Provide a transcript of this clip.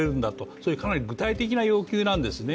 そういうかなり具体的な要求なんですね。